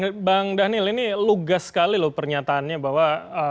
oke bang daniel ini lugas sekali loh pernyataannya bahwa